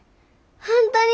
本当に？